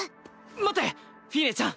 待ってフィーネちゃん。